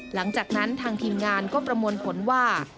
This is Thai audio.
หลังจากนั้นทางทีมงานก็ประมวลผลว่า